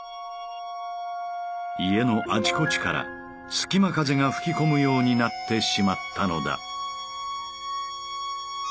家のあちこちから隙間風が吹き込むようになってしまったのだ。